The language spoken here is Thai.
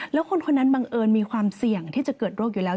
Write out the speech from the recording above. แล้วคนคนนั้นบังเอิญมีความเสี่ยงที่จะเกิดโรคอยู่แล้ว